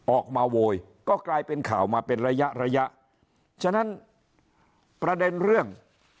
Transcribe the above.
โวยก็กลายเป็นข่าวมาเป็นระยะระยะฉะนั้นประเด็นเรื่อง